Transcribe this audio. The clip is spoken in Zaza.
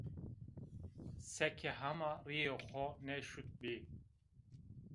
Seke hema rîyê xo nêşutbî